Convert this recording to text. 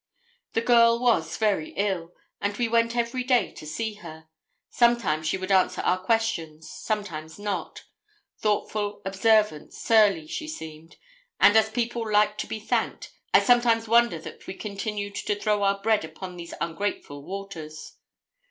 The girl was very ill, and we went every day to see her. Sometimes she would answer our questions sometimes not. Thoughtful, observant, surly, she seemed; and as people like to be thanked, I sometimes wonder that we continued to throw our bread upon these ungrateful waters.